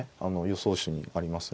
予想手にありますね。